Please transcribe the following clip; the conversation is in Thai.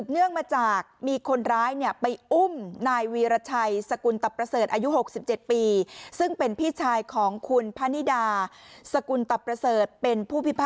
เรื่องราวที่เกิดขึ้น